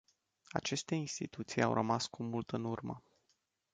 Aceste instituții au rămas cu mult în urmă.